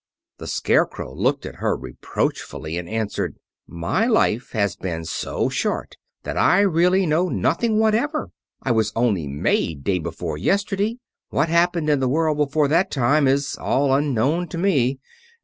The Scarecrow looked at her reproachfully, and answered: "My life has been so short that I really know nothing whatever. I was only made day before yesterday. What happened in the world before that time is all unknown to me.